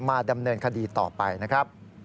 มาดำเนินคดีต่อไปนะครับ